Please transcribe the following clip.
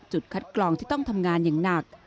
คัดกรองที่ต้องทำงานอย่างหนัก